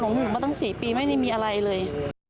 หนูมาตั้ง๔ปีไม่ได้มีอะไรเลย